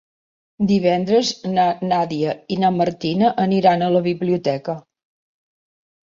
Divendres na Nàdia i na Martina aniran a la biblioteca.